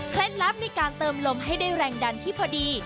ลับในการเติมลมให้ได้แรงดันที่พอดี